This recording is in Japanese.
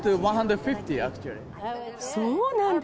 そうなんだ。